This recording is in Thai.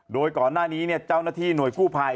โดยก่อนหน้านี้เจ้าหน้าที่หน่วยกู้ภัย